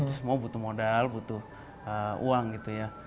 semua butuh modal butuh uang gitu ya